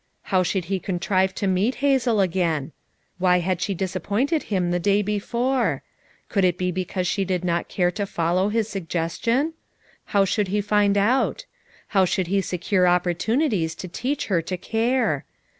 How should he contrive to meet Hazel again? Why had she disappointed him the day before? Could it he because she did not care to follow his suggestion? How should he find out? How should he secure opportunities to teach her to care?